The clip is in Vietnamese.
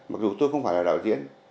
mặc dù tôi không phải là đạo diễn